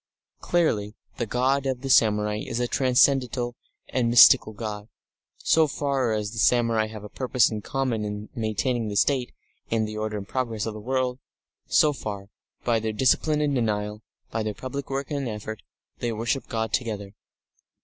Clearly the God of the samurai is a transcendental and mystical God. So far as the samurai have a purpose in common in maintaining the State, and the order and progress of the world, so far, by their discipline and denial, by their public work and effort, they worship God together.